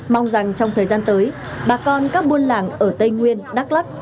mong rằng trong thời gian tới bà con các buôn làng ở tây nguyên đắk lắc